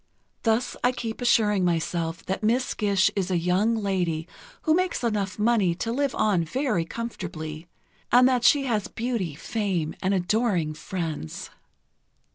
Thus I keep assuring myself that Miss Gish is a young lady who makes enough money to live on very comfortably, and that she has beauty, fame and adoring friends.